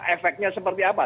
efeknya seperti apa